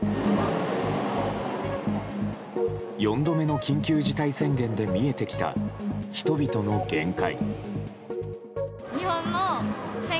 ４度目の緊急事態宣言で見えてきた人々の限界。